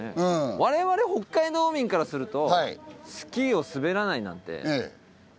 我々北海道民からするとスキーを滑らないなんて。